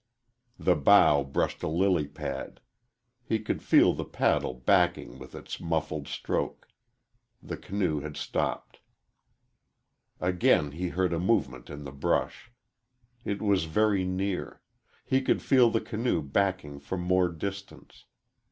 The bow brushed a lily pad. He could feel the paddle backing with its muffled stroke. The canoe had stopped. Again he heard a movement in the brush. It was very near; he could feel the canoe backing for more distance.